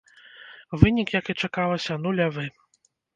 Вынік, як і чакалася, нулявы.